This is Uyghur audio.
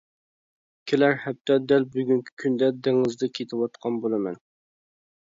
كېلەر ھەپتە دەل بۈگۈنكى كۈندە دېڭىزدا كېتىۋاتقان بولىمەن.